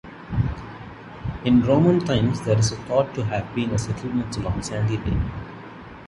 In Roman times there is thought to have been a settlement along Sandy Lane.